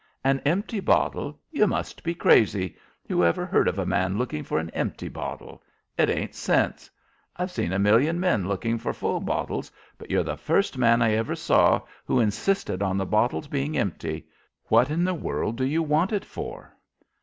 "An empty bottle! You must be crazy! Who ever heard of a man looking for an empty bottle? It isn't sense! I've seen a million men looking for full bottles, but you're the first man I ever saw who insisted on the bottle's being empty. What in the world do you want it for?"